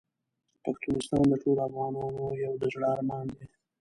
پښتونستان د ټولو افغانانو یو د زړه ارمان دی .